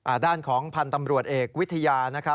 อ่าด้านของพันธุ์ตำรวจเอกวิทยา